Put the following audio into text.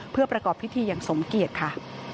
เพื่อประกอบพิธีอย่างสมเกียจค่ะ